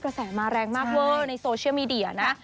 กระแสมาแรงมากเวอร์ในโซเชียลมีเดียนะ